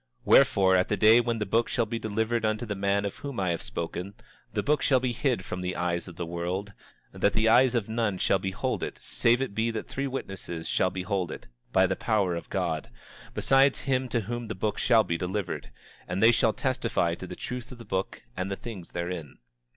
27:12 Wherefore, at that day when the book shall be delivered unto the man of whom I have spoken, the book shall be hid from the eyes of the world, that the eyes of none shall behold it save it be that three witnesses shall behold it, by the power of God, besides him to whom the book shall be delivered; and they shall testify to the truth of the book and the things therein.